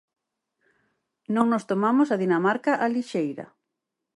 Non nos tomamos a Dinamarca á lixeira.